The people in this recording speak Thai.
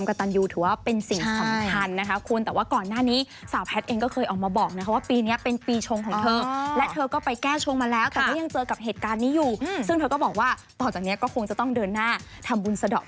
คุณจะต้องเดินหน้าทำบุญสะดอกครอบครั้งต่อไป